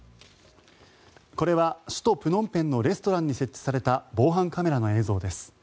これは首都プノンペンのレストランに設置された防犯カメラの映像です。